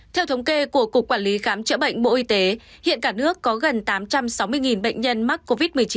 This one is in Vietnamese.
theo thống kê của cục quản lý khám chữa bệnh bộ y tế hiện cả nước có gần tám trăm sáu mươi bệnh nhân mắc covid một mươi chín